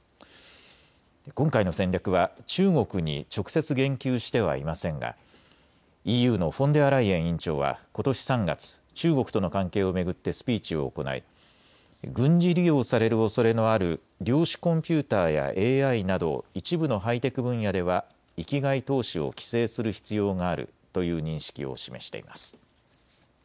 今回の戦略は中国に直接言及してはいませんがＥＵのフォンデアライエン委員長はことし３月、中国との関係を巡ってスピーチを行い軍事利用されるおそれのある量子コンピューターやＡＩなど一部のハイテク分野では域外投資を規制する必要があるという認識を示しています。